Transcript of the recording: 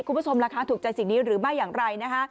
คุณผู้ชมราคาถูกใจสิ่งนี้หรือไม่อย่างไรนะคะ